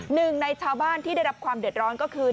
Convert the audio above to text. หนึ่งในชาวบ้านที่ได้รับความเดือดร้อนก็คือ